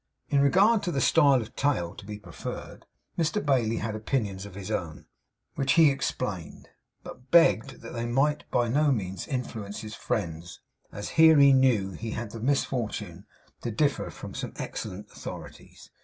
In regard to the style of tail to be preferred, Mr Bailey had opinions of his own, which he explained, but begged they might by no means influence his friend's, as here he knew he had the misfortune to differ from some excellent authorities.